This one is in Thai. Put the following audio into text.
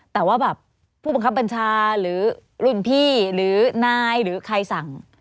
แต่ว่าแบบผู้บังคับบัญชาหรือรุ่นพี่หรือนายหรือใครสั่ง